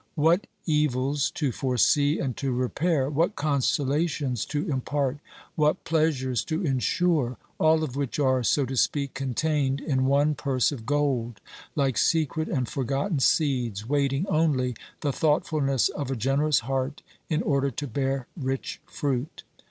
What evils to foresee and to repair, what consolations to impart, what pleasures to insure, all of which are, so to speak, contained in one purse of gold, like secret and forgotten seeds, waiting only the thoughtfulness of a generous heart in order to bear rich fruit.